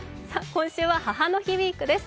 今週は母の日ウイークです。